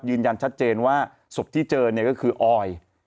ยืนยันชัดเจนว่าศพที่เจอเนี่ยก็คือออย